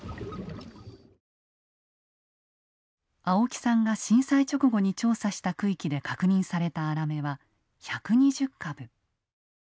青木さんが震災直後に調査した区域で確認されたアラメは１２０株。